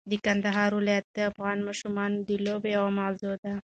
د کندهار ولایت د افغان ماشومانو د لوبو یوه موضوع ده.